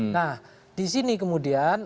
nah disini kemudian